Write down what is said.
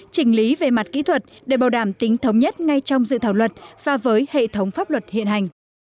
chỉnh lý về mặt kỹ thuật để bảo đảm tính thống nhất ngay trong dự thảo luật và với hệ thống pháp luật hiện hành